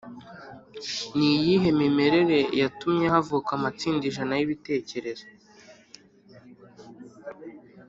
ni iyihe mimerere yatumye havuka amatsinda ijana y’ibitekerezo?